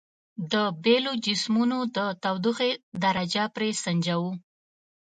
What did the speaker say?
د بیلو جسمونو د تودوخې درجه پرې سنجوو.